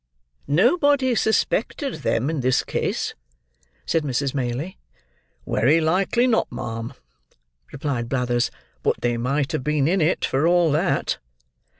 "Nobody suspected them, in this case," said Mrs. Maylie. "Wery likely not, ma'am," replied Blathers; "but they might have been in it, for all that."